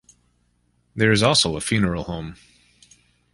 There is also a funeral home.